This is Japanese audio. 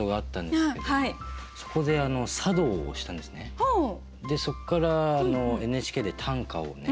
でそっからＮＨＫで短歌をね。